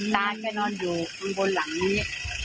นานเขาก็นอนอยู่ข้างบนหลังนี้